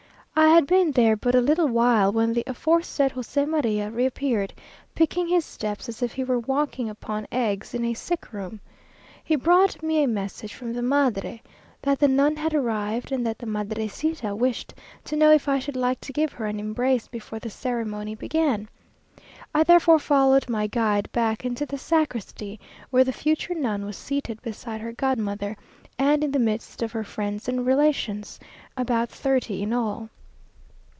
I had been there but a little while when the aforesaid José María reappeared, picking his steps as if he were walking upon eggs in a sick room. He brought me a message from the Madre that the nun had arrived, and that the madrecita wished to know if I should like to give her an embrace before the ceremony began. I therefore followed my guide back into the sacristy, where the future nun was seated beside her god mother, and in the midst of her friends and relations, about thirty in all.